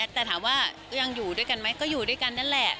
แต่ถามว่ายังอยู่ด้วยกันไหมก็อยู่ด้วยกันนั่นแหละ